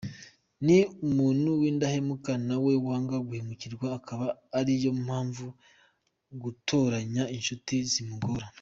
Ni umuntu w’indahemuka nawe wanga guhemukirwa akaba ariyo mpamvu gutoranya inshuti bimugora.